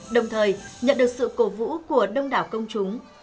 đồng thời nhận được sự cổ vũ của đông đảo công chúng